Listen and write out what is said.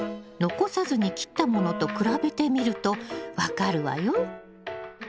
残さずに切ったものと比べてみると分かるわよ。